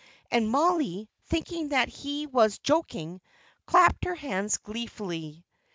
And Mollie, thinking that he was joking, clapped her hands gleefully.